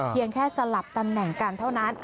เพียงแค่สลับตำแหน่งกันเท่านั้น